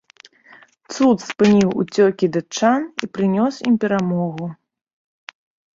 Цуд спыніў уцёкі датчан і прынёс ім перамогу.